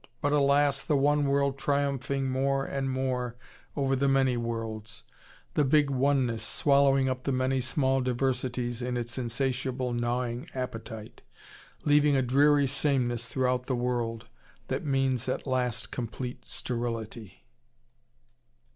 But alas, the one world triumphing more and more over the many worlds, the big oneness swallowing up the many small diversities in its insatiable gnawing appetite, leaving a dreary sameness throughout the world, that means at last complete sterility.